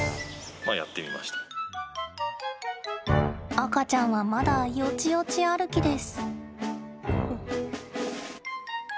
赤ちゃんはまだ、よちよち歩きです。